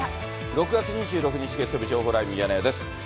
６月２６日月曜日、情報ライブミヤネ屋です。